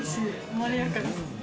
まろやかです。